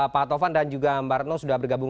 pak tovan dan juga mbak retno sudah bergabung